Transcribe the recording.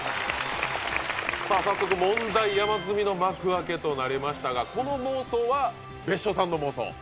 さあ早速問題山積みの幕開けとなりましたがこの妄想は別所さんの妄想？